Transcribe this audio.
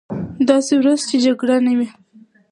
داسې ورځ چې جګړه نه وي.